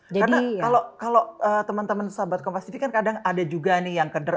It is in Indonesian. karena kalau teman teman sahabat kompas tv kan kadang ada juga nih yang keder